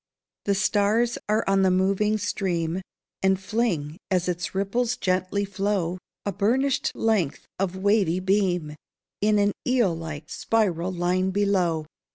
The stars are on the moving stream, And fling, as its ripples gently flow, A burnish'd length of wavy beam, In an eel like, spiral line below.